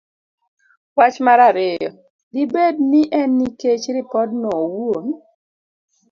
Wach mar Ariyo. Dibed ni en nikech ripodno owuon?